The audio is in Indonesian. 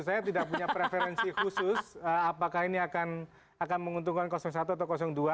saya tidak punya preferensi khusus apakah ini akan menguntungkan satu atau dua